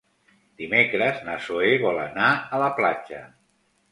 Dimecres na Zoè vol anar a la platja.